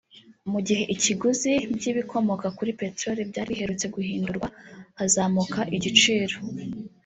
Mu gihe ikiguzi by’ibikomoka kuri peteroli byari biherutse guhindurwa hazamuka igiciro